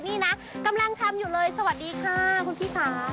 นี่นะกำลังทำอยู่เลยสวัสดีค่ะคุณพี่ค่ะ